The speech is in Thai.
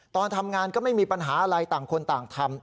ตอนทำงานก็ไม่มีปัญหาอะไรต่างคนต่างทำ